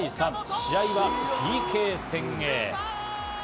試合はＰＫ戦へ。